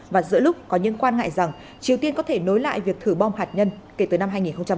và giữa lúc có những quan ngại rằng triều tiên có thể nối lại việc thử bom hạt nhân kể từ năm hai nghìn một mươi